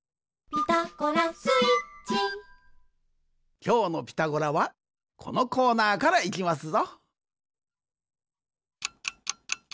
きょうの「ピタゴラ」はこのコーナーからいきますぞ。